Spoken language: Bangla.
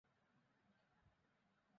ইতোমধ্যে ভারতে যতটা সম্ভব আন্দোলন চালাও।